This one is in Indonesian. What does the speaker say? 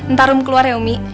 ntarum keluar ya umi